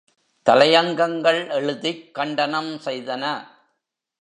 தலையங்கங்கள் எழுதிக் கண்டனம் செய்தன.